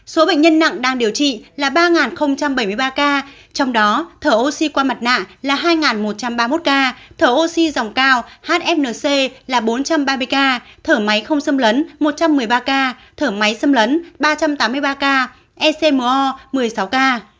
số bệnh nhân nặng đang điều trị là ba bảy mươi ba ca trong đó thở oxy qua mặt nạ là hai một trăm ba mươi một ca thở oxy dòng cao hfnc là bốn trăm ba mươi ca thở máy không xâm lấn một trăm một mươi ba ca thở máy xâm lấn ba trăm tám mươi ba ca ecmo một mươi sáu ca